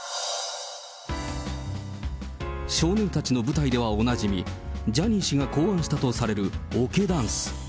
少年たちの舞台ではおなじみ、ジャニー氏が考案したとされるおけダンス。